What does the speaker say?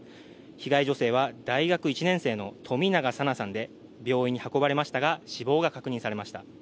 被害女性は大学１年生の冨永紗菜さんで病院に運ばれましたが死亡が確認されました。